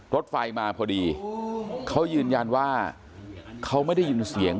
รถไฟมาพอดีเขายืนยันว่าเขาไม่ได้ยินเสียง